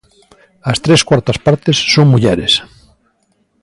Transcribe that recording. As tres cuartas partes son mulleres.